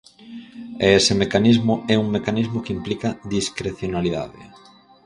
E ese mecanismo é un mecanismo que implica discrecionalidade.